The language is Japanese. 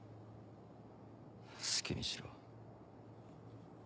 好きにしろ。